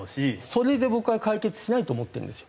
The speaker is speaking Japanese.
それで僕は解決しないと思ってるんですよ。